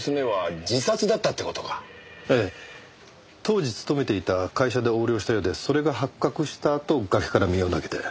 当時勤めていた会社で横領したようでそれが発覚したあと崖から身を投げて。